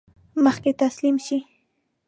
مخکې تسلیم شي.